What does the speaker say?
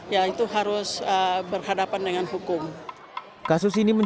ya itu harus berhadapan dengan hukum